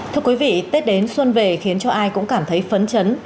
thưa quý vị tết đến xuân về khiến cho ai cũng cảm thấy phấn chấn